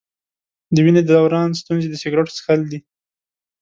د وینې د دوران ستونزې د سګرټو څښل دي.